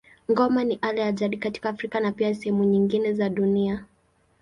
Ngoma ni ala ya jadi katika Afrika na pia sehemu nyingine za dunia.